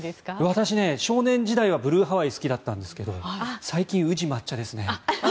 私、少年時代はブルーハワイが好きだったんですけど最近宇治抹茶ですね。